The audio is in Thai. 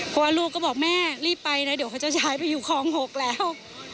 เพราะว่าลูกก็บอกแม่รีบไปนะเดี๋ยวเขาจะย้ายไปอยู่คลอง๖แล้ว